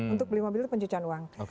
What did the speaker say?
untuk beli mobil itu pencucian uang